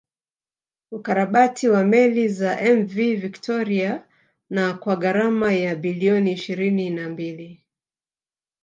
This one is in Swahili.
Ukarabati wa meli za Mv Victoria na kwa gharama ya bilioni ishirini na mbili